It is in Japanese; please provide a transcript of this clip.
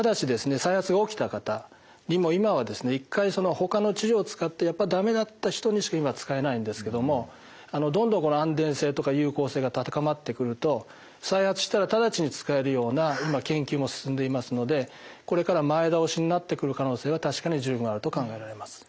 再発が起きた方にも今はですね１回ほかの治療を使ってやっぱり駄目だった人にしか今は使えないんですけどもどんどん安全性とか有効性が高まってくると再発したら直ちに使えるような研究も進んでいますのでこれから前倒しになってくる可能性は確かに十分あると考えられます。